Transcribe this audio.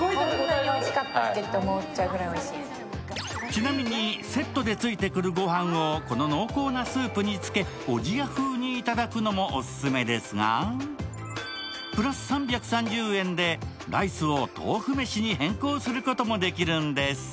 ちなみにセットでついてくるご飯を、この濃厚なスープにつけおじや風にいただくのもオススメですが、プラス３３０円でライスを豆腐めしに変更することもできるんです。